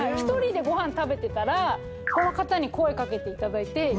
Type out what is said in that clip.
１人でご飯食べてたらこの方に声掛けていただいて。